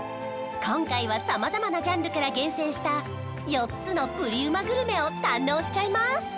今回はさまざまなジャンルから厳選した４つのプリうまグルメを堪能しちゃいます